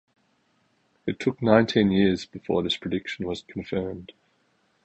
It took nineteen years before this prediction was confirmed.